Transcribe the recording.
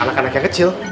anak anak yang kecil